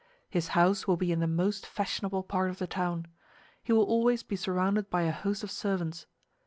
His house will be in the most fashionable part of the town: he will always be surrounded by a host of servants.